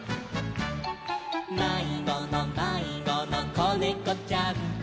「まいごのまいごのこねこちゃん」